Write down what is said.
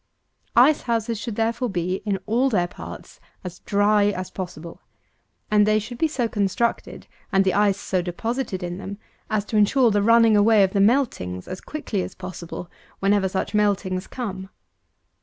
237. Ice houses should therefore be, in all their parts, as dry as possible: and they should be so constructed, and the ice so deposited in them, as to ensure the running away of the meltings as quickly as possible, whenever such meltings come.